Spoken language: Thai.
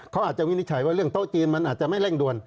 เขาอาจจะวินิจฉัยว่าเรื่องโต๊ะจีนมันอาจจะไม่เร่งด่วน